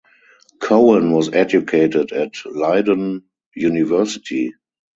Cohen was educated at Leiden University.